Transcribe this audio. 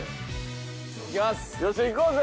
よっしゃいこうぜ。